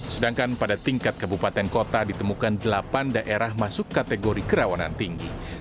sedangkan pada tingkat kabupaten kota ditemukan delapan daerah masuk kategori kerawanan tinggi